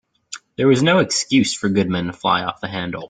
There was no excuse for Goodman to fly off the handle.